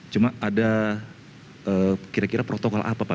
cuma ada kira kira protokol apa pak